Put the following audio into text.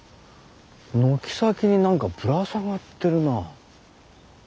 軒先に何かぶら下がってるな。